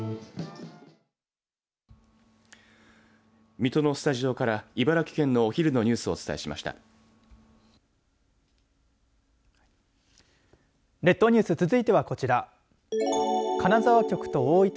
水戸のスタジオから茨城県のお昼のニュースをお伝えしました。